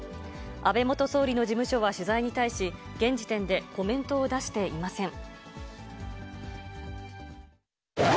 安倍元総理の事務所は取材に対し、現時点でコメントを出していません。